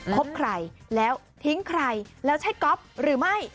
เผาใครแล้วทิ้งใครและใช้จอปหรือไม่